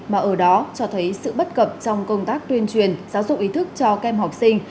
mà ở đó cho thấy sự bất cập trong công tác tuyên truyền giáo dục ý thức cho kem học sinh